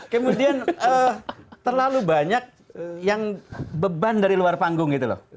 kemudian terlalu banyak yang beban dari luar panggung gitu loh